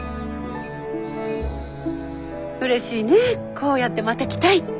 うれしいねこうやってまた来たいって。